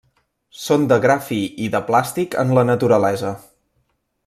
Són de gra fi i de plàstic en la naturalesa.